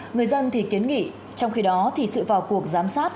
người dân thì kiến nghị trong khi đó thì sự vào cuộc giám sát